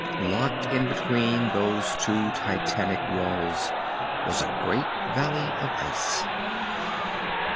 Locked in between those two titanic walls was a great valley of ice.